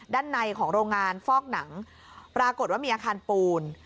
ด้านในของโรงงานฟอกหนังปรากฏว่ามีอาคารปูน